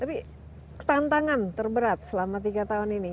tapi tantangan terberat selama tiga tahun ini